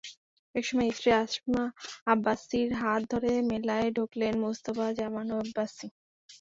একসময় স্ত্রী আসমা আব্বাসীর হাত ধরে মেলায় ঢুকলেন মুস্তাফা জামান আব্বাসী।